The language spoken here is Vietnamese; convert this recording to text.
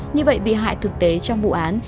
như vậy bị hại thực tế trong bụ án